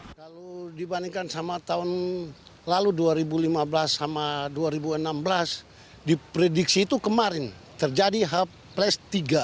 kalau dibandingkan sama tahun lalu dua ribu lima belas sama dua ribu enam belas diprediksi itu kemarin terjadi h tiga